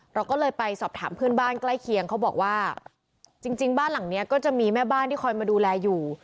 เราก็เลยไปสอบถามเพื่อนบ้านใกล้เคียงเขาบอกว่าจริงบ้านหลังนี้ก็จะมีแม่บ้านที่คอยมาดูแลอยู่